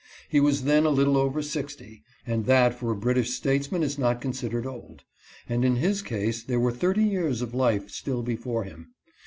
He was then a little over sixty, and that for a British statesman is not considered old ; and in his case there were thirty years of life still before him.